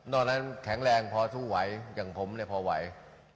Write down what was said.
ตอนนั้นแข็งแรงพอสู้ไหวอย่างผมเนี่ยพอไหว